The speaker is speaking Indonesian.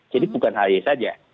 jadi bukan ahy saja